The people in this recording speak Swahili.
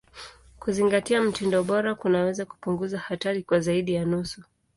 Kuzingatia mtindo bora kunaweza kupunguza hatari kwa zaidi ya nusu.